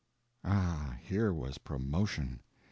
Ah, here was promotion!